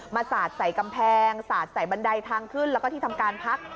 สาดใส่กำแพงสาดใส่บันไดทางขึ้นแล้วก็ที่ทำการพัก